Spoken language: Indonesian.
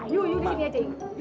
yu disini aja